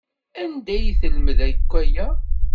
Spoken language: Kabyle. Anda ay telmed akk aya?